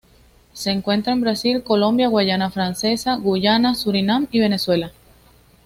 Se encuentra en Brasil, Colombia, Guayana Francesa, Guyana, Surinam y Venezuela.